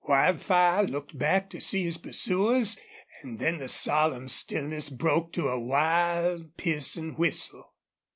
Wildfire looked back to see his pursuers, and then the solemn stillness broke to a wild, piercing whistle.